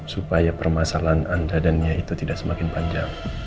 supaya permasalahan anda dan nia itu tidak semakin panjang